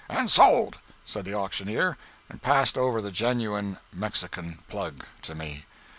"And sold!" said the auctioneer, and passed over the Genuine Mexican Plug to me.